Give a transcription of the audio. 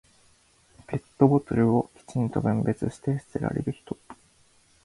ペットボトルをきちんと分別して捨てられる人。